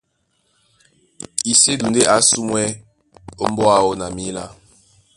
Isɛ́du ndé a ásumwɛ́ ómbóá áō na mǐlá,